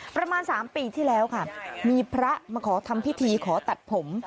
ประมาณ๓ปีที่แล้วค่ะมีพระมาขอทำพิธีขอตัดผม